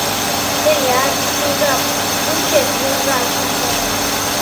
Тыят, шижам, вучет лӧза кеҥежым.